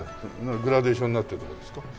グラデーションになってるとこですか？